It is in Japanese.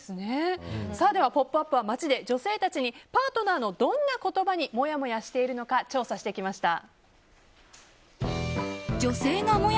では「ポップＵＰ！」は街で女性たちにパートナーのどんな言葉にもやもやしているのか調査してきました。